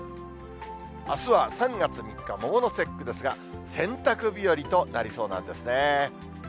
あすは３月３日桃の節句ですが、洗濯日和となりそうなんですね。